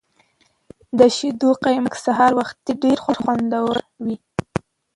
د شیدو قیماق سهار وختي ډیر خوندور وي.